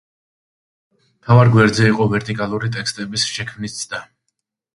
მთავარ გვერდზე იყო ვერტიკალური ტექსტების შექმნის ცდა.